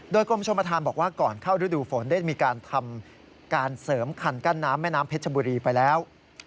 โดยกรมชมธานบอกว่าก่อนเข้าฤดูฝนได้มีการทำการเสริมคันกั้นน้ำแม่น้ำเพชรบุรีไปแล้ว